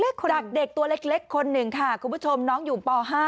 จากเด็กตัวเล็กคนหนึ่งค่ะคุณผู้ชมน้องอยู่ป๕